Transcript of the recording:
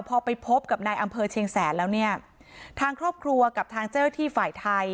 พอไปพบกับนายอำเภอเชียงแสนแล้วเนี่ยทางครอบครัวกับทางเจ้าที่ฝ่ายไทย